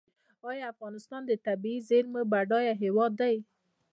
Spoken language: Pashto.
آیا افغانستان د طبیعي زیرمو بډایه هیواد دی؟